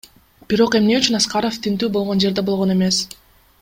Бирок эмне үчүн Аскаров тинтүү болгон жерде болгон эмес?